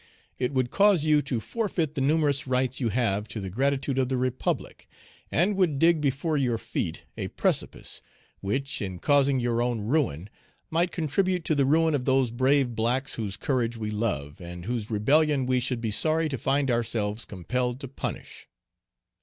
It would cause you to forfeit the numerous rights you have to the gratitude of the Republic, and would dig before your feet a precipice, which, in causing your own ruin, might contribute to the ruin of those brave blacks whose courage we love, and whose rebellion we should be sorry to find ourselves compelled to punish.